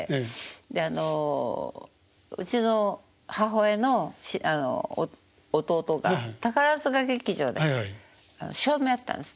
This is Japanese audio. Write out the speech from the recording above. であのうちの母親の弟が宝塚劇場で照明やってたんですね。